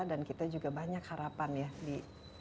kita juga banyak harapan ya di